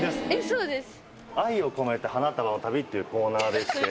そうです。